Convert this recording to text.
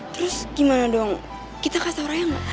terus gimana dong kita kasih tau raiya gak